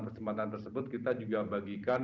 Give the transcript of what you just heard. kesempatan tersebut kita juga bagikan